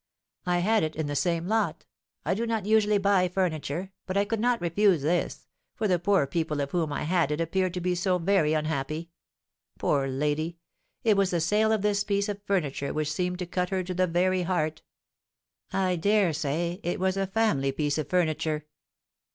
I had it in the same lot. I do not usually buy furniture, but I could not refuse this, for the poor people of whom I had it appeared to be so very unhappy! Poor lady! it was the sale of this piece of furniture which seemed to cut her to the very heart. I dare say it was a family piece of 'furniture.'"